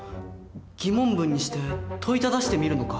疑問文にして問いただしてみるのか。